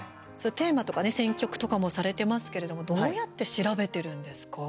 テーマとかね選曲とかもされてますけれどもどうやって調べてるんですか？